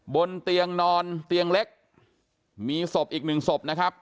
บนเตียงนอนเตียงเล็กมีศพอีกหนึ่งศพนะครับ